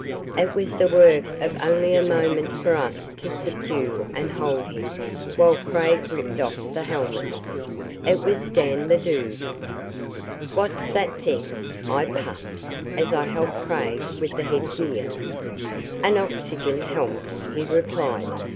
It was the work of only a moment for us to subdue and hold him, while Craig ripped off the helmet. It was Dan the Dude. "What's that thing?" I puffed, as I helped Craig with the headgear. "An oxygen helmet," he replied.